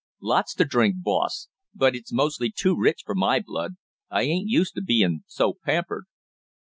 "Lots to drink, boss, but it's mostly too rich for my blood. I ain't used to bein' so pampered."